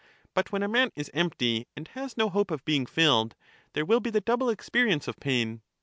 But when a man is empty and has no hope of being filled, there will be the double experience of pain.